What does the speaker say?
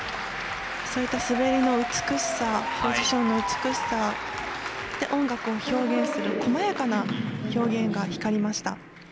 そういった滑りの美しさポジションの美しさ音楽を表現するこまやかな表現が光りました。